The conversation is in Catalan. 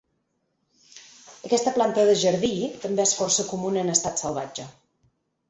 Aquesta planta de jardí també és força comuna en estat salvatge.